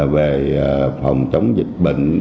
về phòng chống dịch bệnh